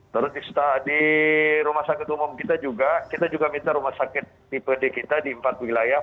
terus di rumah sakit umum kita juga kita juga minta rumah sakit tipe d kita di empat wilayah